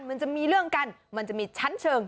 มันจะมีเรื่องกันมันจะมีชั้นเชิง